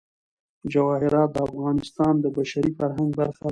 جواهرات د افغانستان د بشري فرهنګ برخه ده.